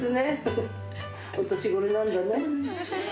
お年頃なんだね。